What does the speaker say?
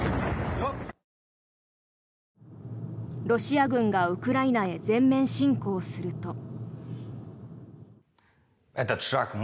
ロシア軍がウクライナへ全面侵攻すると。